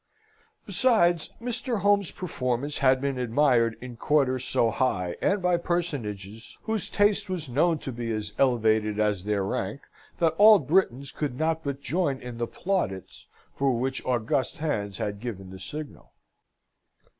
Besides, Mr. Home's performance had been admired in quarters so high, and by personages whose taste was known to be as elevated as their rank, that all Britons could not but join in the plaudits for which august hands had given the signal.